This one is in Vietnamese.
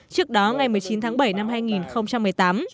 trước đó ngày một mươi chín tháng bảy năm hai nghìn một mươi tám